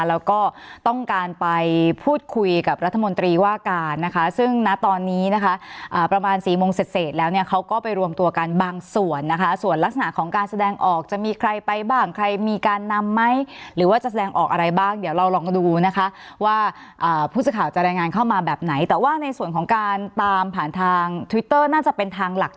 แล้วก็ต้องการไปพูดคุยกับรัฐมนตรีว่าการนะคะซึ่งณตอนนี้นะคะประมาณ๔โมงเสร็จแล้วเนี่ยเขาก็ไปรวมตัวกันบางส่วนนะคะส่วนลักษณะของการแสดงออกจะมีใครไปบ้างใครมีการนำไหมหรือว่าจะแสดงออกอะไรบ้างเดี๋ยวเราลองดูนะคะว่าผู้สื่อข่าวจะรายงานเข้ามาแบบไหนแต่ว่าในส่วนของการตามผ่านทางทวิตเตอร์น่าจะเป็นทางหลัก